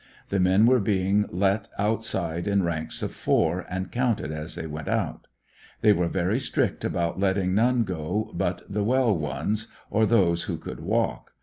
The men were being let outside in ranks of four, and counted as they went out. They were very strict about letting none go but the well ones, or 94 ANDER80NVILLE DIARY. those who could walk.